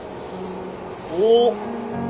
おっ！